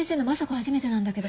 初めてなんだけど。